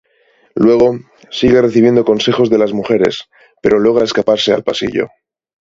Luego, sigue recibiendo consejos de las mujeres, pero logra escaparse al pasillo.